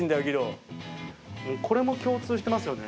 これも共通してますよね